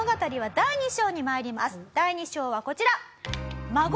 第二章はこちら。